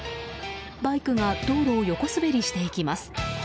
バイクが道路を横滑りしていきます。